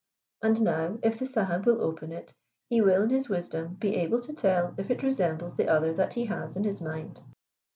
"And now, if the Sahib will open it, he will in his wisdom be able to tell if it resembles the other that he has in his mind."